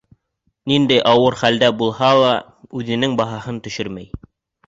Ниндәй ауыр хәлдә булһа ла, үҙенең баһаһын төшөрмәй.